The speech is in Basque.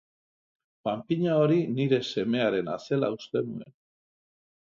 Panpina hori nire semearena zela uste nuen.